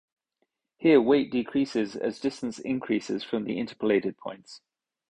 Here weight decreases as distance increases from the interpolated points.